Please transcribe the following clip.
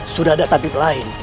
sudah ada tabib lain